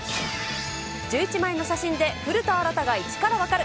１１枚の写真で古田新太が１からわかる。